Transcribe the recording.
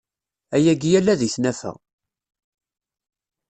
Ayagi ala di tnafa.